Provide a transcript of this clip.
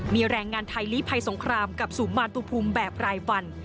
มีแรงงานไทยลีภัยสงครามกับสู่มาตุภูมิแบบรายวัน